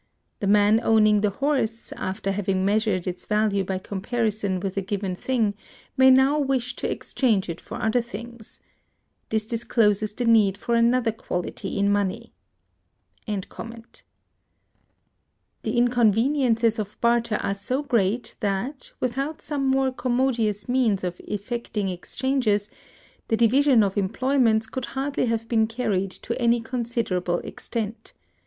The man owning the horse, after having measured its value by comparison with a given thing, may now wish to exchange it for other things. This discloses the need of another quality in money. The inconveniences of barter are so great that, without some more commodious means of effecting exchanges, the division of employments could hardly have been carried to any considerable extent.